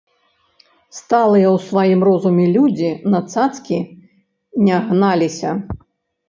Сталыя ў сваім розуме людзі на цацкі не гналіся.